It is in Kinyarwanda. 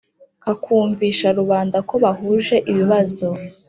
kakumvisha rubanda ko bahuje ibibazo